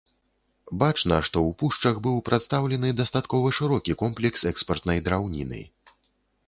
Бачна, што ў пушчах быў прадстаўлены дастаткова шырокі комплекс экспартнай драўніны.